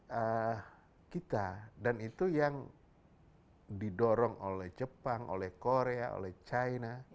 ini adalah ketentangan kita dan itu yang didorong oleh jepang oleh korea oleh china